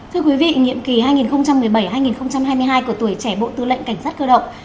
thưa quý vị nhiệm kỳ hai nghìn một mươi bảy hai nghìn hai mươi hai của tuổi trẻ bộ tư lệnh cảnh sát cơ động